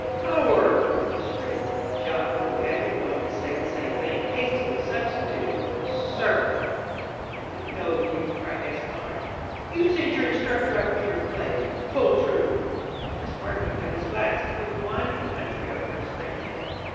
"Coward!" he shrieked. Jacques, who had been going to say the same thing, hastily substituted "Serpent!" "I know you," cried Gaspard. "You send your instructor up in your place. Poltroon!" Jacques picked up his glass and poured the wine of the country over his friend's head.